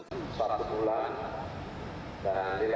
suatu bulan dan di dalam jika dengan hari ini tentunya